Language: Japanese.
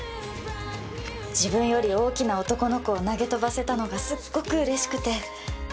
自分より大きな男の子を投げ飛ばせたのがすっごくうれしくて。